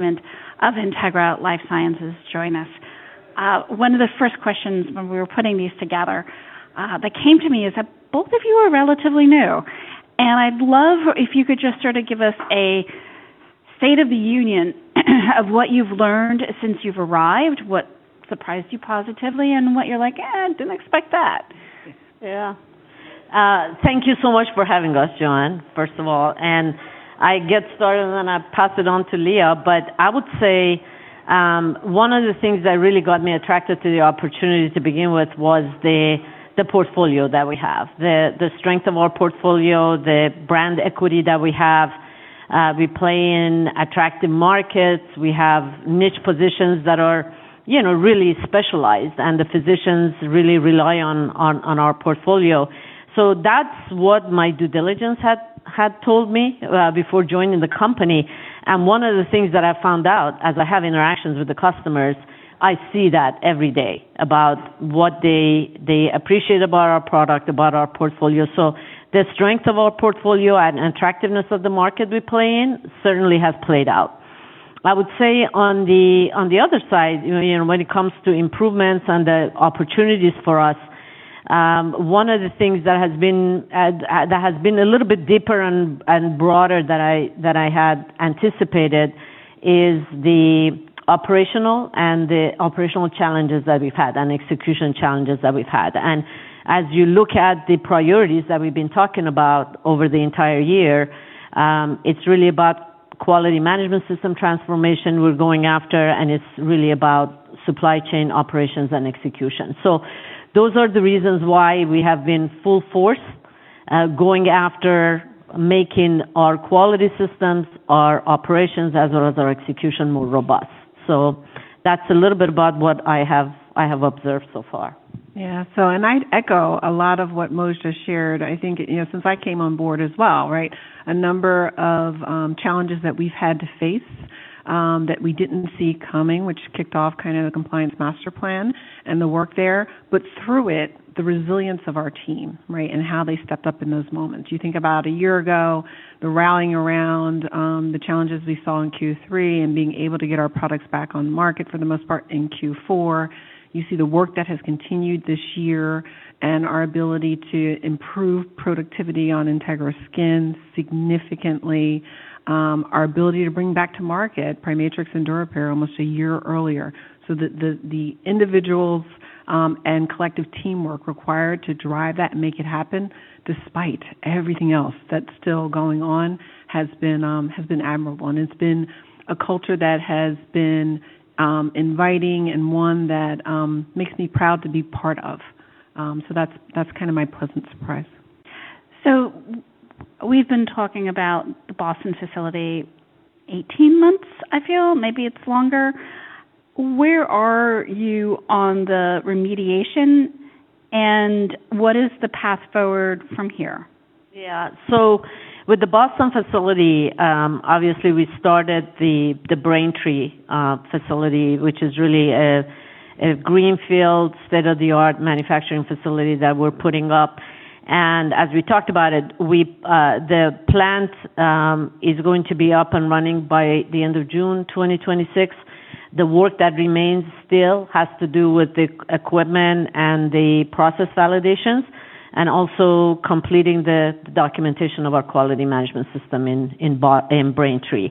Of Integra LifeSciences, join us. One of the first questions, when we were putting these together, that came to me is that both of you are relatively new, and I'd love if you could just sort of give us a state of the union of what you've learned since you've arrived, what surprised you positively, and what you, like, didn't expect that. Yeah. Thank you so much for having us, Joanne, first of all. And I get started, and then I pass it on to Lea. But I would say one of the things that really got me attracted to the opportunity to begin with was the portfolio that we have, the strength of our portfolio, the brand equity that we have. We play in attractive markets. We have niche positions that are really specialized, and the physicians really rely on our portfolio. So that's what my due diligence had told me before joining the company. And one of the things that I found out as I have interactions with the customers, I see that every day about what they appreciate about our product, about our portfolio. So the strength of our portfolio and attractiveness of the market we play in certainly has played out. I would say on the other side, when it comes to improvements and the opportunities for us, one of the things that has been a little bit deeper and broader than I had anticipated is the operational challenges that we've had and execution challenges that we've had. And as you look at the priorities that we've been talking about over the entire year, it's really about Quality Management System transformation we're going after, and it's really about supply chain operations and execution. So those are the reasons why we have been full force going after making our quality systems, our operations, as well as our execution more robust. So that's a little bit about what I have observed so far. Yeah. So and I'd echo a lot of what Mojdeh shared. I think since I came on board as well, right, a number of challenges that we've had to face that we didn't see coming, which kicked off kind of the compliance master plan and the work there. But through it, the resilience of our team, right, and how they stepped up in those moments. You think about a year ago, the rallying around the challenges we saw in Q3 and being able to get our products back on the market for the most part in Q4. You see the work that has continued this year and our ability to improve productivity on Integra Skin significantly, our ability to bring back to market PriMatrix and Durepair almost a year earlier. So the individuals and collective teamwork required to drive that and make it happen despite everything else that's still going on has been admirable. And it's been a culture that has been inviting and one that makes me proud to be part of. So that's kind of my pleasant surprise. We've been talking about the Boston facility 18 months, I feel. Maybe it's longer. Where are you on the remediation, and what is the path forward from here? Yeah. So with the Boston facility, obviously, we started the Braintree facility, which is really a greenfield, state-of-the-art manufacturing facility that we're putting up. As we talked about it, the plant is going to be up and running by the end of June 2026. The work that remains still has to do with the equipment and the process validations and also completing the documentation of our quality management system in Braintree,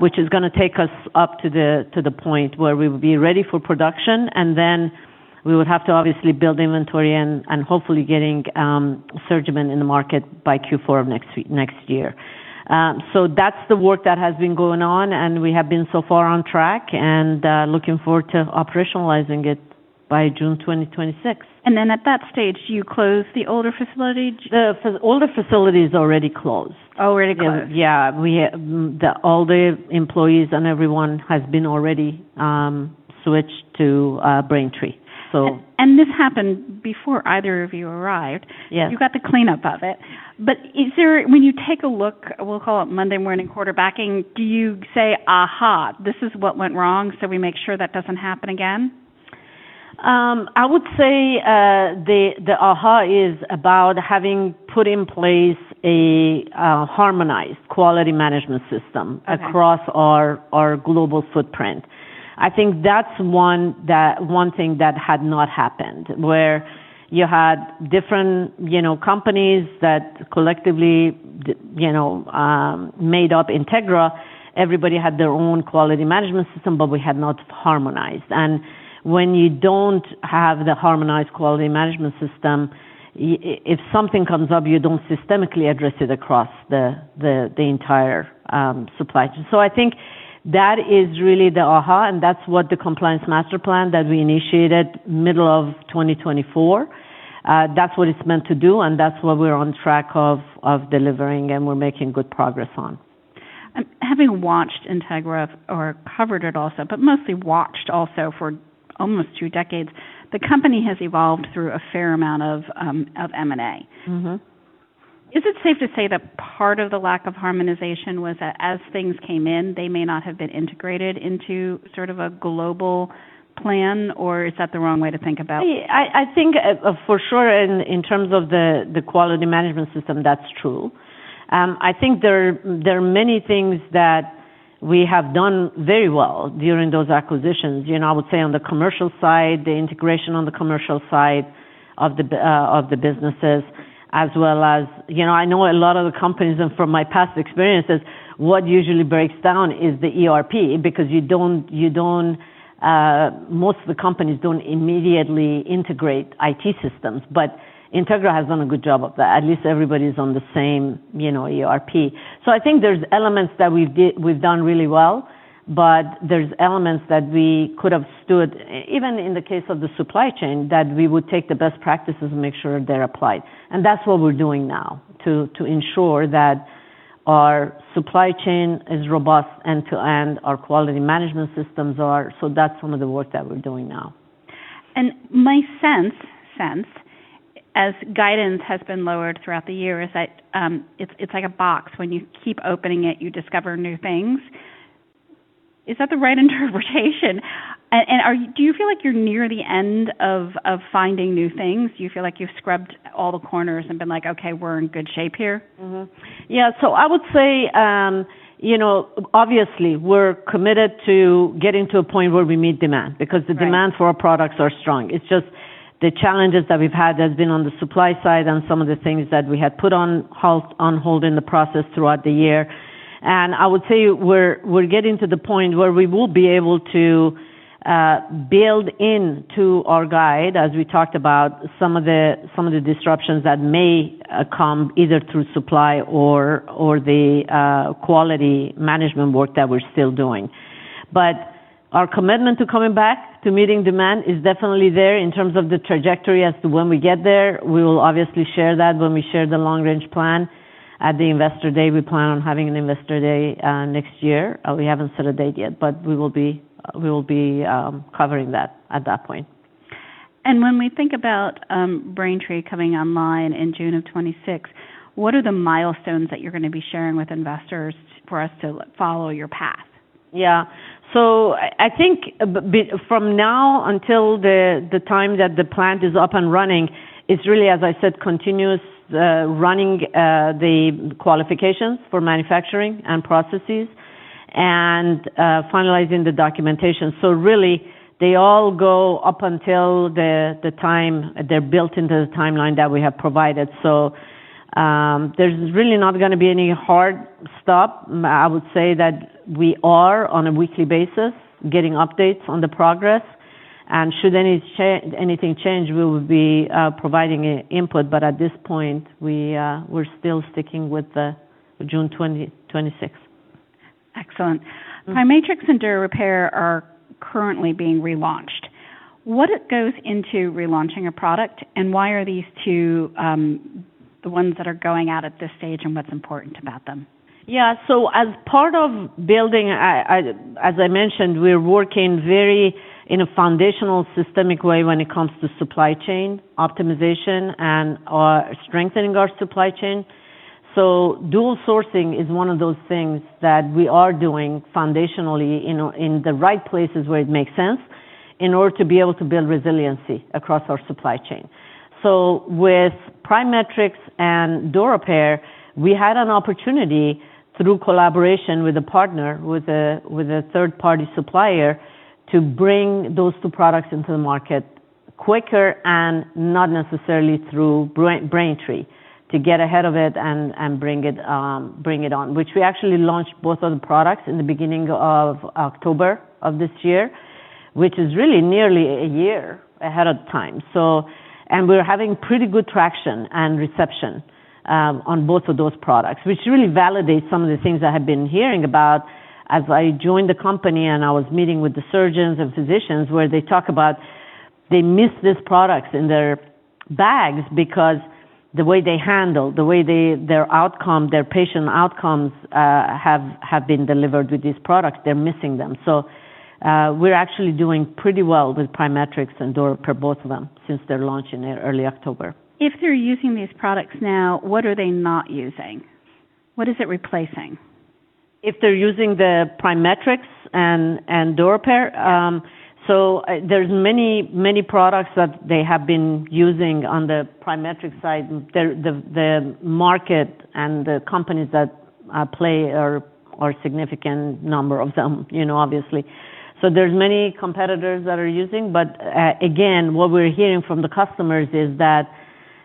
which is going to take us up to the point where we will be ready for production. Then we would have to obviously build inventory and hopefully getting SurgiMend in the market by Q4 of next year. So that's the work that has been going on, and we have been so far on track and looking forward to operationalizing it by June 2026. And then at that stage, do you close the older facility? The older facility is already closed. Oh, already closed. Yeah. All the employees and everyone has been already switched to Braintree, so. This happened before either of you arrived. You got the cleanup of it. But when you take a look, we'll call it Monday morning quarterbacking, do you say, "Aha, this is what went wrong," so we make sure that doesn't happen again? I would say the aha is about having put in place a harmonized quality management system across our global footprint. I think that's one thing that had not happened where you had different companies that collectively made up Integra. Everybody had their own quality management system, but we had not harmonized, and when you don't have the harmonized quality management system, if something comes up, you don't systematically address it across the entire supply chain. So I think that is really the aha, and that's what the Compliance Master Plan that we initiated middle of 2024, that's what it's meant to do, and that's what we're on track of delivering and we're making good progress on. Having watched Integra or covered it also, but mostly watched also for almost two decades, the company has evolved through a fair amount of M&A. Is it safe to say that part of the lack of harmonization was that as things came in, they may not have been integrated into sort of a global plan, or is that the wrong way to think about it? I think for sure in terms of the quality management system, that's true. I think there are many things that we have done very well during those acquisitions. I would say on the commercial side, the integration on the commercial side of the businesses, as well as. I know a lot of the companies and from my past experiences, what usually breaks down is the ERP because most of the companies don't immediately integrate IT systems. But Integra has done a good job of that. At least everybody's on the same ERP. So I think there's elements that we've done really well, but there's elements that we could have stood, even in the case of the supply chain, that we would take the best practices and make sure they're applied. And that's what we're doing now to ensure that our supply chain is robust end-to-end, our quality management systems are. So that's some of the work that we're doing now. And my sense, as guidance has been lowered throughout the year, is it's like a box. When you keep opening it, you discover new things. Is that the right interpretation? And do you feel like you're near the end of finding new things? Do you feel like you've scrubbed all the corners and been like, "Okay, we're in good shape here"? Yeah, so I would say, obviously, we're committed to getting to a point where we meet demand because the demand for our products is strong. It's just the challenges that we've had have been on the supply side and some of the things that we had put on hold in the process throughout the year, and I would say we're getting to the point where we will be able to build into our guide, as we talked about, some of the disruptions that may come either through supply or the quality management work that we're still doing. But our commitment to coming back to meeting demand is definitely there in terms of the trajectory as to when we get there. We will obviously share that when we share the long-range plan at the investor day. We plan on having an investor day next year. We haven't set a date yet, but we will be covering that at that point. When we think about Braintree coming online in June of 2026, what are the milestones that you're going to be sharing with investors for us to follow your path? Yeah. So I think from now until the time that the plant is up and running, it's really, as I said, continuous running the qualifications for manufacturing and processes and finalizing the documentation. So really, they all go up until the time they're built into the timeline that we have provided. So there's really not going to be any hard stop. I would say that we are on a weekly basis getting updates on the progress. And should anything change, we will be providing input. But at this point, we're still sticking with June 26th. Excellent. PriMatrix and Durepair are currently being relaunched. What goes into relaunching a product, and why are these two the ones that are going out at this stage, and what's important about them? Yeah. So as part of building, as I mentioned, we're working very in a foundational systemic way when it comes to supply chain optimization and strengthening our supply chain. So dual sourcing is one of those things that we are doing foundationally in the right places where it makes sense in order to be able to build resiliency across our supply chain. So with PriMatrix and Durepair, we had an opportunity through collaboration with a partner, with a third-party supplier, to bring those two products into the market quicker and not necessarily through Braintree to get ahead of it and bring it on, which we actually launched both of the products in the beginning of October of this year, which is really nearly a year ahead of time. We're having pretty good traction and reception on both of those products, which really validates some of the things I have been hearing about as I joined the company and I was meeting with the surgeons and physicians where they talk about they miss these products in their bags because the way they handle, the way their outcome, their patient outcomes have been delivered with these products, they're missing them. We're actually doing pretty well with PriMatrix and Durepair, both of them, since their launch in early October. If they're using these products now, what are they not using? What is it replacing? If they're using the PriMatrix and Durepair, so there's many products that they have been using on the PriMatrix side. The market and the companies that play are a significant number of them, obviously. So there's many competitors that are using. But again, what we're hearing from the customers is that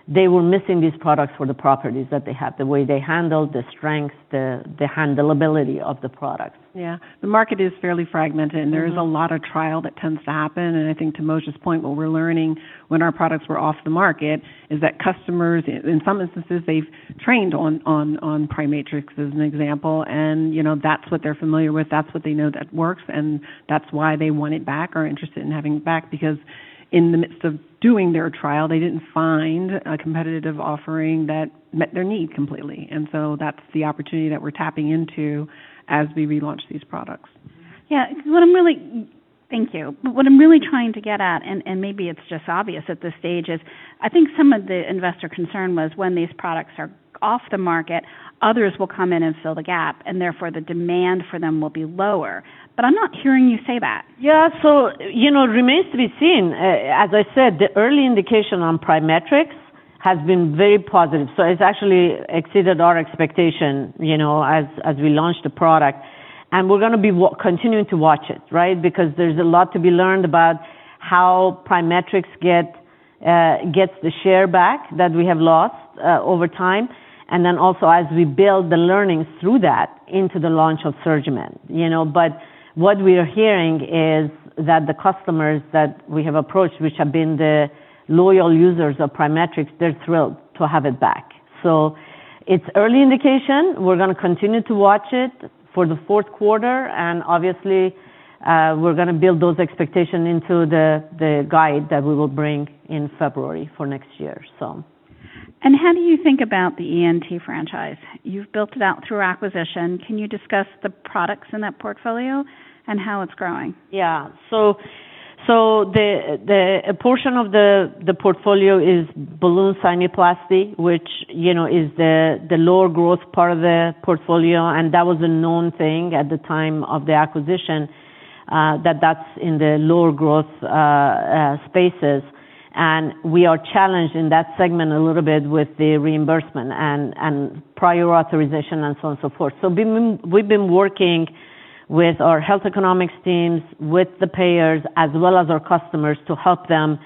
they were missing these products for the properties that they have, the way they handle, the strength, the handleability of the products. Yeah. The market is fairly fragmented, and there is a lot of trial that tends to happen. And I think to Mojdeh's point, what we're learning when our products were off the market is that customers, in some instances, they've trained on PriMatrix as an example, and that's what they're familiar with. That's what they know that works, and that's why they want it back or are interested in having it back because in the midst of doing their trial, they didn't find a competitive offering that met their need completely. And so that's the opportunity that we're tapping into as we relaunch these products. Yeah. Thank you. But what I'm really trying to get at, and maybe it's just obvious at this stage, is I think some of the investor concern was when these products are off the market, others will come in and fill the gap, and therefore the demand for them will be lower. But I'm not hearing you say that. Yeah. So it remains to be seen. As I said, the early indication on PriMatrix has been very positive. So it's actually exceeded our expectation as we launched the product. And we're going to be continuing to watch it, right, because there's a lot to be learned about how PriMatrix gets the share back that we have lost over time and then also as we build the learnings through that into the launch of SurgiMend. But what we are hearing is that the customers that we have approached, which have been the loyal users of PriMatrix, they're thrilled to have it back. So it's early indication. We're going to continue to watch it for the fourth quarter. And obviously, we're going to build those expectations into the guide that we will bring in February for next year, so. And how do you think about the ENT franchise? You've built it out through acquisition. Can you discuss the products in that portfolio and how it's growing? Yeah, so a portion of the portfolio is Balloon Sinuplasty, which is the lower growth part of the portfolio, and that was a known thing at the time of the acquisition that that's in the lower growth spaces, and we are challenged in that segment a little bit with the reimbursement and prior authorization and so on and so forth, so we've been working with our health economics teams, with the payers, as well as our customers to help them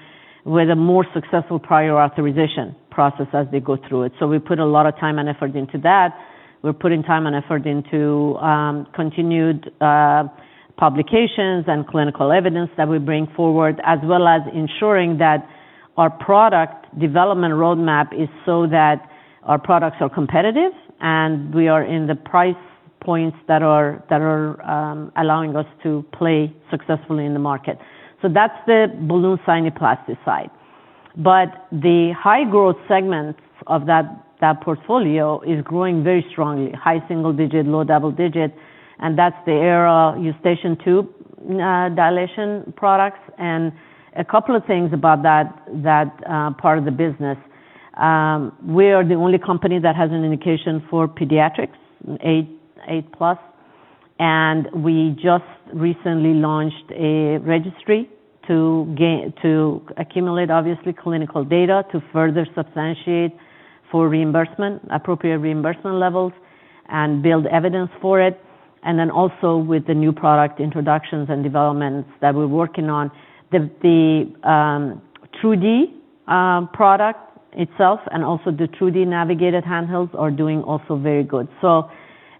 with a more successful prior authorization process as they go through it, so we put a lot of time and effort into that. We're putting time and effort into continued publications and clinical evidence that we bring forward, as well as ensuring that our product development roadmap is so that our products are competitive and we are in the price points that are allowing us to play successfully in the market. So that's the Balloon Sinuplasty side. But the high-growth segment of that portfolio is growing very strongly, high single-digit-low double-digit. And that's the ERA Eustachian tube dilation products. And a couple of things about that part of the business. We are the only company that has an indication for pediatrics, A plus. And we just recently launched a registry to accumulate, obviously, clinical data to further substantiate for reimbursement, appropriate reimbursement levels, and build evidence for it. And then also with the new product introductions and developments that we're working on, the 2D product itself and also the 2D navigated handhelds are doing also very good. So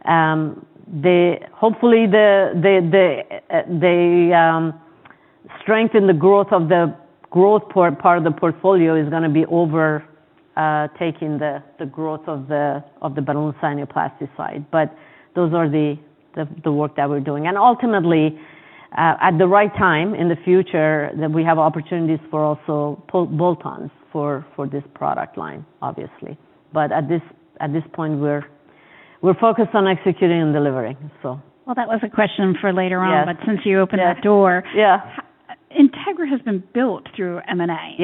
hopefully, the strength in the growth of the growth part of the portfolio is going to be overtaking the growth of the Balloon Sinuplasty side. But those are the work that we're doing. And ultimately, at the right time in the future, we have opportunities for also bolt-ons for this product line, obviously. But at this point, we're focused on executing and delivering, so. That was a question for later on, but since you opened that door, Integra has been built through M&A.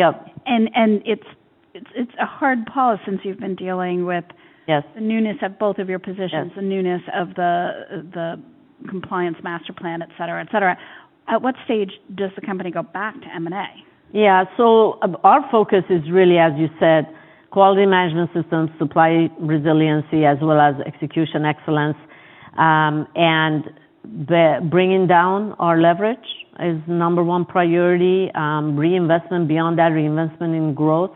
It's a hard pause since you've been dealing with the newness of both of your positions and newness of the Compliance Master Plan, etc., etc. At what stage does the company go back to M&A? Yeah. So our focus is really, as you said, quality management systems, supply resiliency, as well as execution excellence. And bringing down our leverage is number one priority. Reinvestment beyond that, reinvestment in growth,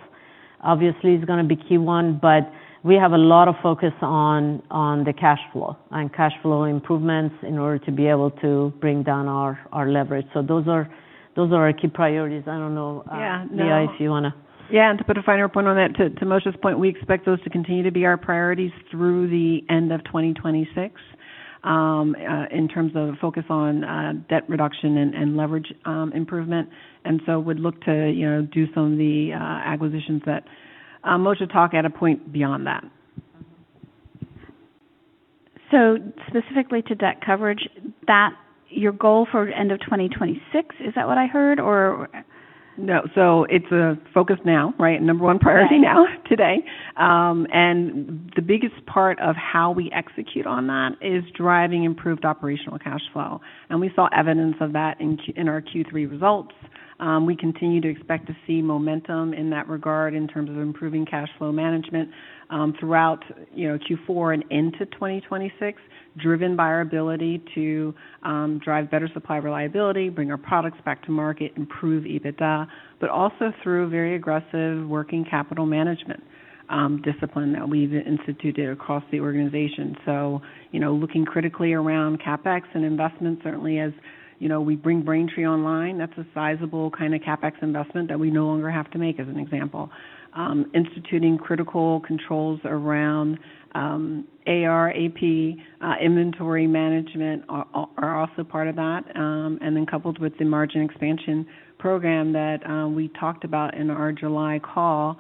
obviously, is going to be a key one. But we have a lot of focus on the cash flow and cash flow improvements in order to be able to bring down our leverage. So those are our key priorities. I don't know, Lea, if you want to. Yeah. And to put a finer point on that, to Mojdeh's point, we expect those to continue to be our priorities through the end of 2026 in terms of focus on debt reduction and leverage improvement. And so we'd look to do some of the acquisitions that Mojdeh talked about at a point beyond that. Specifically to debt coverage, your goal for end of 2026, is that what I heard, or? No. So it's a focus now, right, number one priority now today. And the biggest part of how we execute on that is driving improved operational cash flow. And we saw evidence of that in our Q3 results. We continue to expect to see momentum in that regard in terms of improving cash flow management throughout Q4 and into 2026, driven by our ability to drive better supply reliability, bring our products back to market, improve EBITDA, but also through very aggressive working capital management discipline that we've instituted across the organization. So looking critically around CapEx and investment, certainly as we bring Braintree online, that's a sizable kind of CapEx investment that we no longer have to make, as an example. Instituting critical controls around AR, AP, inventory management are also part of that. And then coupled with the margin expansion program that we talked about in our July call,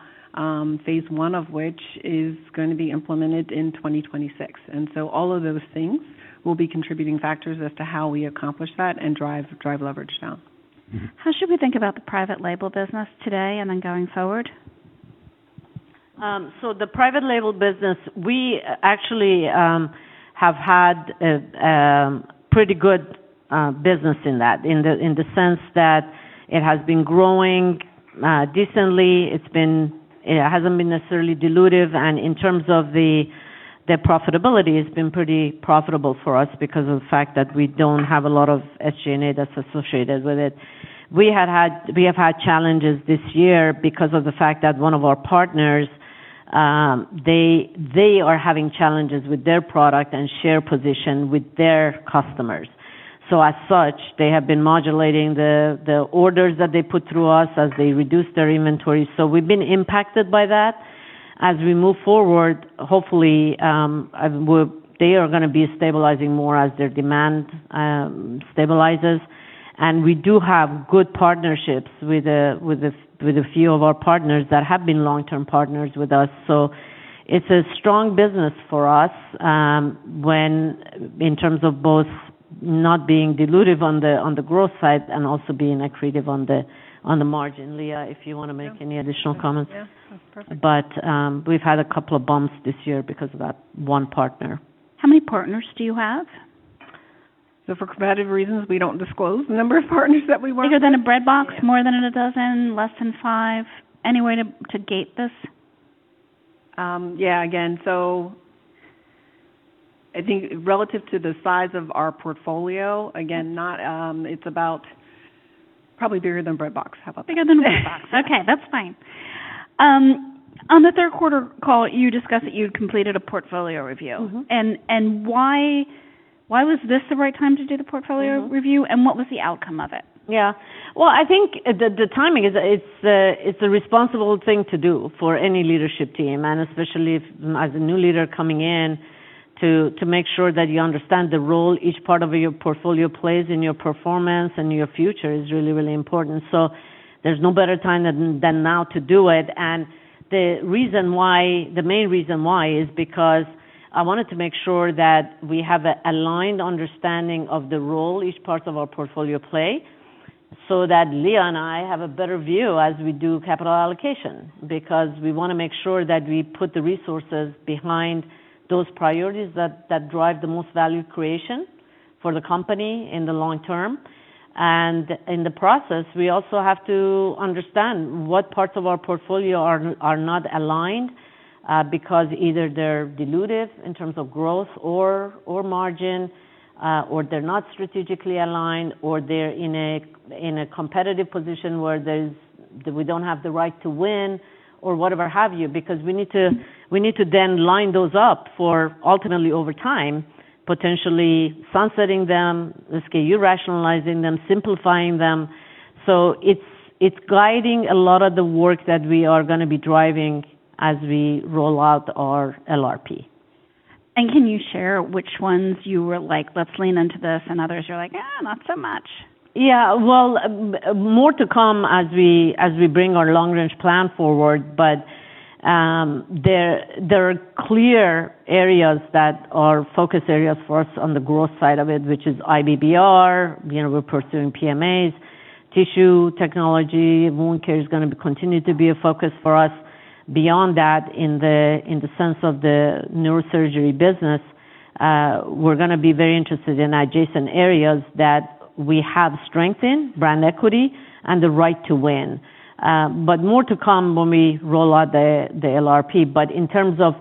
phase one of which is going to be implemented in 2026. And so all of those things will be contributing factors as to how we accomplish that and drive leverage down. How should we think about the private label business today and then going forward? So the private label business, we actually have had pretty good business in that in the sense that it has been growing decently. It hasn't been necessarily dilutive. And in terms of the profitability, it's been pretty profitable for us because of the fact that we don't have a lot of SG&A that's associated with it. We have had challenges this year because of the fact that one of our partners, they are having challenges with their product and share position with their customers. So as such, they have been modulating the orders that they put through us as they reduce their inventory. So we've been impacted by that. As we move forward, hopefully, they are going to be stabilizing more as their demand stabilizes. And we do have good partnerships with a few of our partners that have been long-term partners with us. So it's a strong business for us in terms of both not being dilutive on the growth side and also being accretive on the margin. Lea, if you want to make any additional comments. Yeah. That's perfect. But we've had a couple of bumps this year because of that one partner. How many partners do you have? For competitive reasons, we don't disclose the number of partners that we work with. Bigger than a bread box, more than a dozen, less than five, any way to gauge this? Yeah. Again, so I think relative to the size of our portfolio, again, it's about probably bigger than a bread box. On the third quarter call, you discussed that you'd completed a portfolio review. And why was this the right time to do the portfolio review, and what was the outcome of it? Yeah. Well, I think the timing is the responsible thing to do for any leadership team, and especially as a new leader coming in, to make sure that you understand the role each part of your portfolio plays in your performance and your future is really, really important. So there's no better time than now to do it. And the main reason why is because I wanted to make sure that we have an aligned understanding of the role each part of our portfolio plays so that Lea and I have a better view as we do capital allocation because we want to make sure that we put the resources behind those priorities that drive the most value creation for the company in the long term. And in the process, we also have to understand what parts of our portfolio are not aligned because either they're dilutive in terms of growth or margin, or they're not strategically aligned, or they're in a competitive position where we don't have the right to win or whatever have you because we need to then line those up for ultimately, over time, potentially sunsetting them, rationalizing them, simplifying them. So it's guiding a lot of the work that we are going to be driving as we roll out our LRP. Can you share which ones you were like, "Let's lean into this," and others you're like, not so much? Yeah. Well, more to come as we bring our long-range plan forward. But there are clear areas that are focus areas for us on the growth side of it, which is IBBR. We're pursuing PMAs, tissue technology. Wound care is going to continue to be a focus for us. Beyond that, in the sense of the neurosurgery business, we're going to be very interested in adjacent areas that we have strength in, brand equity, and the right to win. But more to come when we roll out the LRP. But in terms of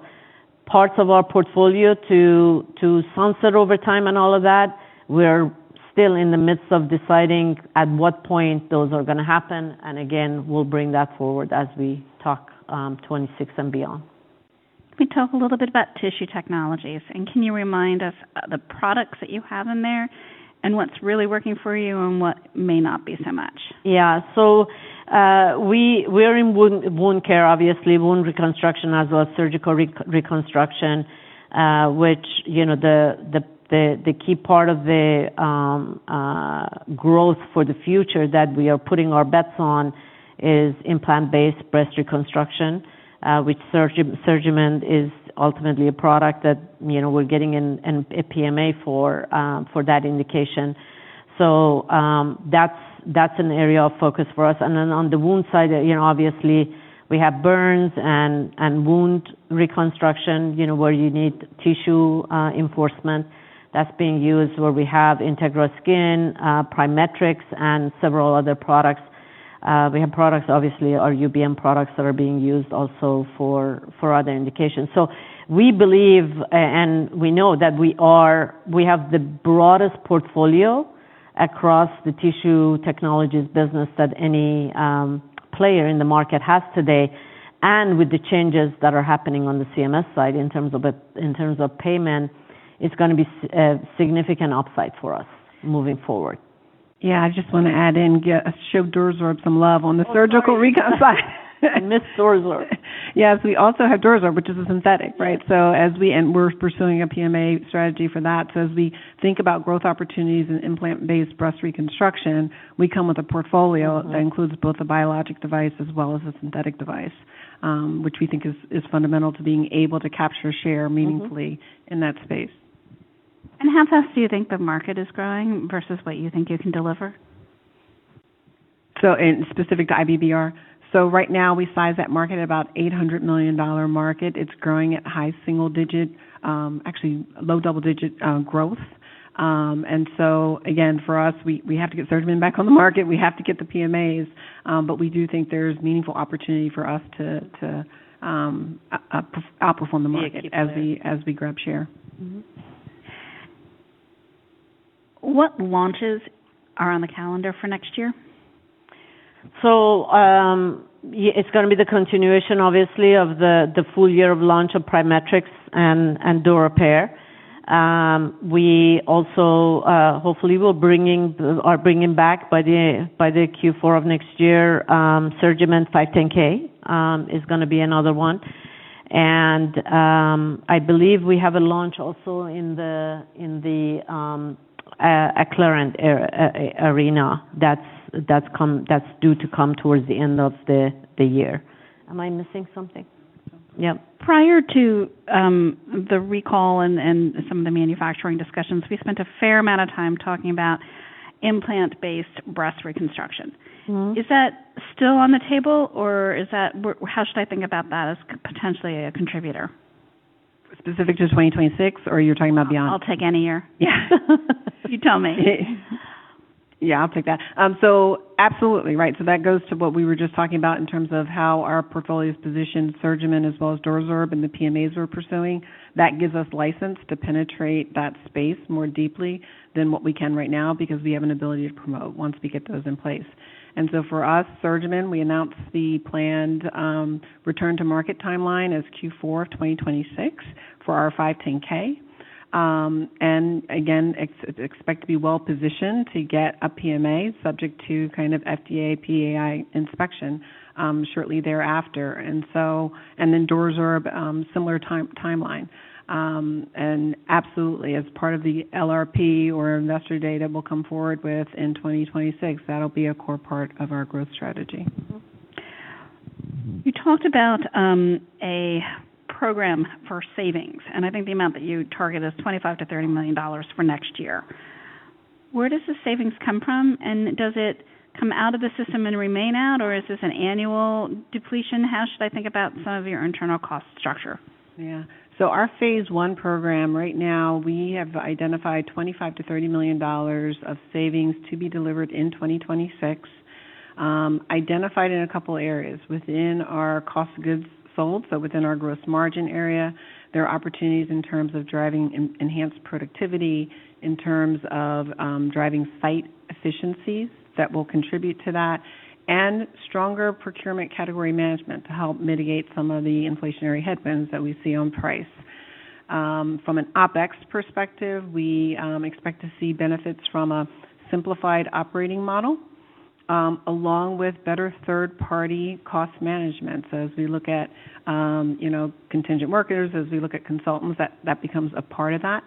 parts of our portfolio to sunset over time and all of that, we're still in the midst of deciding at what point those are going to happen. And again, we'll bring that forward as we talk 2026 and beyond. Can we talk a little bit about tissue technologies? And can you remind us the products that you have in there and what's really working for you and what may not be so much? Yeah. So we're in wound care, obviously, wound reconstruction as well as surgical reconstruction, which the key part of the growth for the future that we are putting our bets on is implant-based breast reconstruction, which SurgiMend is ultimately a product that we're getting a PMA for that indication. So that's an area of focus for us. And then on the wound side, obviously, we have burns and wound reconstruction where you need tissue reinforcement. That's being used where we have Integra Skin, PriMatrix, and several other products. We have products, obviously, our UBM products that are being used also for other indications. So we believe and we know that we have the broadest portfolio across the tissue technologies business that any player in the market has today. With the changes that are happening on the CMS side in terms of payment, it's going to be a significant upside for us moving forward. Yeah. I just want to add in, show DuraSorb some love on the surgical recon side. Mesh DuraSorb. Yes. We also have DuraSorb, which is a synthetic, right? So we're pursuing a PMA strategy for that. So as we think about growth opportunities in implant-based breast reconstruction, we come with a portfolio that includes both a biologic device as well as a synthetic device, which we think is fundamental to being able to capture share meaningfully in that space. And how fast do you think the market is growing versus what you think you can deliver? So, specific to IBBR? So, right now, we size that market at about $800 million market. It's growing at high single-digit, actually low double-digit growth. And so again, for us, we have to get surgery back on the market. We have to get the PMAs. But we do think there's meaningful opportunity for us to operate on the market as we grab share. What launches are on the calendar for next year? So it's going to be the continuation, obviously, of the full year of launch of PriMatrix and Durepair. We also, hopefully, are bringing back by the Q4 of next year. SurgiMend 510(k) is going to be another one. And I believe we have a launch also in the Acclarent arena that's due to come towards the end of the year. Am I missing something? Yeah. Prior to the recall and some of the manufacturing discussions, we spent a fair amount of time talking about implant-based breast reconstruction. Is that still on the table, or how should I think about that as potentially a contributor? Specific to 2026, or you're talking about beyond? I'll take any year. You tell me. Yeah. I'll take that. So absolutely, right. So that goes to what we were just talking about in terms of how our portfolio is positioned. SurgiMend, as well as DuraSorb and the PMAs we're pursuing, that gives us license to penetrate that space more deeply than what we can right now because we have an ability to promote once we get those in place. And so for us, SurgiMend, we announced the planned return-to-market timeline as Q4 of 2026 for our 510(k). And again, expect to be well-positioned to get a PMA subject to kind of FDA PAI inspection shortly thereafter. And then DuraSorb, similar timeline. And absolutely, as part of the LRP or investor data we'll come forward with in 2026, that'll be a core part of our growth strategy. You talked about a program for savings. And I think the amount that you target is $25-$30 million for next year. Where does the savings come from? And does it come out of the system and remain out, or is this an annual depletion? How should I think about some of your internal cost structure? Yeah. So our phase one program, right now, we have identified $25-$30 million of savings to be delivered in 2026, identified in a couple of areas. Within our cost of goods sold, so within our gross margin area, there are opportunities in terms of driving enhanced productivity, in terms of driving site efficiencies that will contribute to that, and stronger procurement category management to help mitigate some of the inflationary headwinds that we see on price. From an OpEx perspective, we expect to see benefits from a simplified operating model along with better third-party cost management. So as we look at contingent workers, as we look at consultants, that becomes a part of that.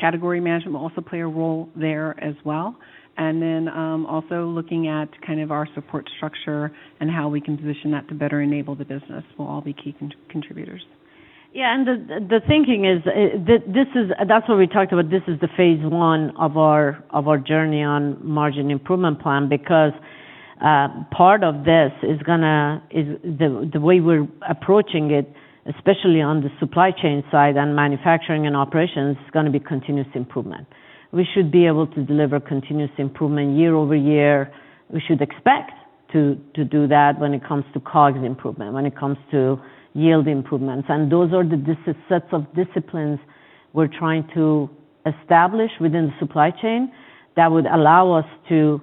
Category management will also play a role there as well. And then also looking at kind of our support structure and how we can position that to better enable the business will all be key contributors. Yeah. And the thinking is that's what we talked about. This is the phase one of our journey on margin improvement plan because part of this is going to the way we're approaching it, especially on the supply chain side and manufacturing and operations, is going to be continuous improvement. We should be able to deliver continuous improvement year-over-year. We should expect to do that when it comes to COGS improvement, when it comes to yield improvements. And those are the sets of disciplines we're trying to establish within the supply chain that would allow us to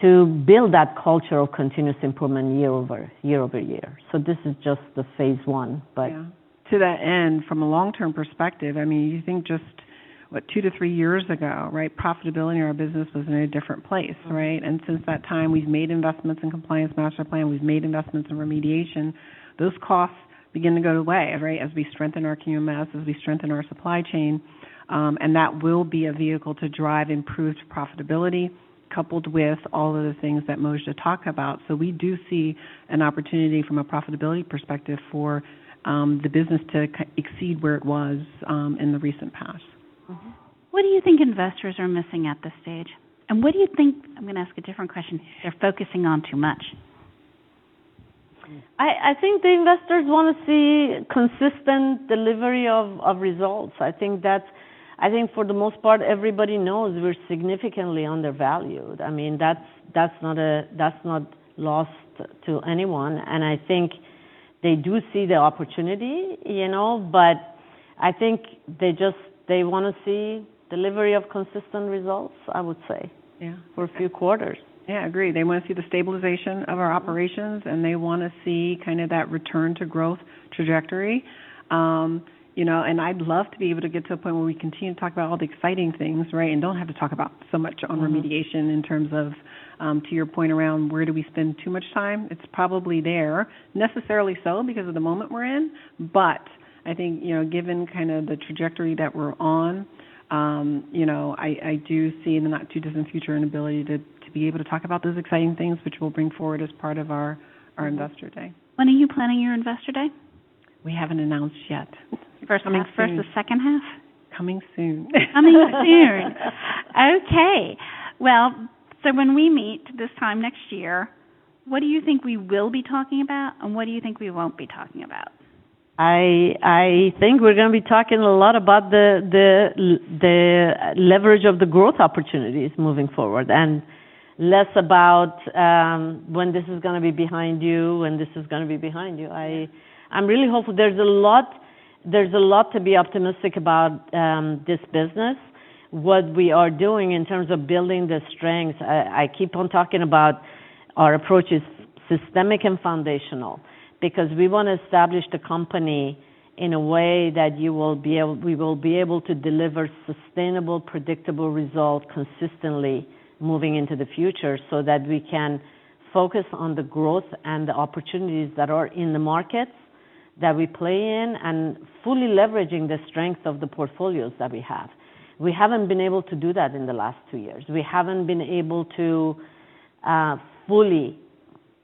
build that culture of continuous improvement year-over-year. So this is just the phase one. But. Yeah. To that end, from a long-term perspective, I mean, you think just, what, two to three years ago, right, profitability in our business was in a different place, right? And since that time, we've made investments in Compliance Master Plan. We've made investments in remediation. Those costs begin to go away, right, as we strengthen our QMS, as we strengthen our supply chain. And that will be a vehicle to drive improved profitability coupled with all of the things that Mojdeh talked about. So we do see an opportunity from a profitability perspective for the business to exceed where it was in the recent past. What do you think investors are missing at this stage? And what do you think? I'm going to ask a different question. They're focusing on too much. I think the investors want to see consistent delivery of results. I think for the most part, everybody knows we're significantly undervalued. I mean, that's not lost to anyone. And I think they do see the opportunity. But I think they want to see delivery of consistent results, I would say, for a few quarters. Yeah. I agree. They want to see the stabilization of our operations, and they want to see kind of that return-to-growth trajectory. And I'd love to be able to get to a point where we continue to talk about all the exciting things, right, and don't have to talk about so much on remediation in terms of, to your point around where do we spend too much time. It's probably there, necessarily so because of the moment we're in. But I think given kind of the trajectory that we're on, I do see in the not-too-distant future an ability to be able to talk about those exciting things, which we'll bring forward as part of our investor day. When are you planning your investor day? We haven't announced yet. First the second half? Coming soon. Coming soon. Okay. When we meet this time next year, what do you think we will be talking about, and what do you think we won't be talking about? I think we're going to be talking a lot about the leverage of the growth opportunities moving forward and less about when this is going to be behind you, when this is going to be behind you. I'm really hopeful. There's a lot to be optimistic about this business, what we are doing in terms of building the strengths. I keep on talking about our approach is systemic and foundational because we want to establish the company in a way that we will be able to deliver sustainable, predictable results consistently moving into the future so that we can focus on the growth and the opportunities that are in the markets that we play in and fully leveraging the strength of the portfolios that we have. We haven't been able to do that in the last two years. We haven't been able to fully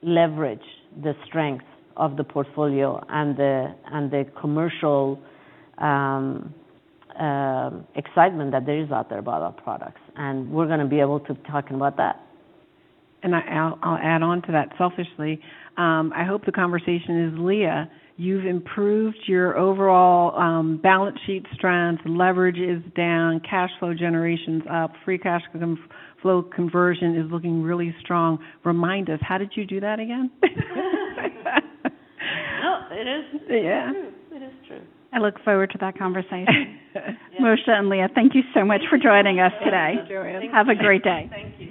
leverage the strength of the portfolio and the commercial excitement that there is out there about our products, and we're going to be able to be talking about that. And I'll add on to that selfishly. I hope the conversation is, Lea. You've improved your overall balance sheet strength. Leverage is down, cash flow generation's up, free cash flow conversion is looking really strong. Remind us, how did you do that again? No, it is true. It is true. I look forward to that conversation. Mojdeh and Lea, thank you so much for joining us today. Have a great day. Thank you.